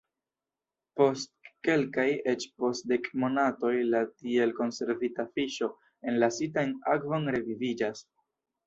Post kelkaj, eĉ post dek monatoj la tiel konservita fiŝo, enlasita en akvon, reviviĝas.